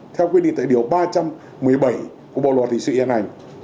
theo quy định tài điều ba trăm một mươi bảy của bộ luật hình sự yên ảnh